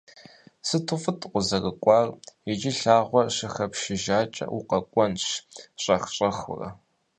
Сыту фӏыт укъызэрыкӏуар. Иджы лъагъуэ щыхэпшыжакӏэ, укъэкӏуэнщ щӏэх-щӏэхыурэ.